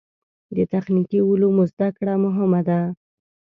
د تخنیکي علومو زده کړه مهمه ده.